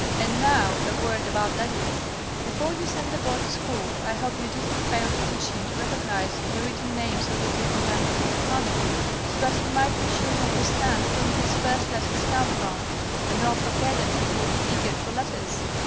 And now a word about letters. Before you sent the boy to school I hope you didn't fail to teach him to recognize the written names of the different members of the family, so that he might be sure to understand whom his first letters came from. And don't forget that he will be eager for letters!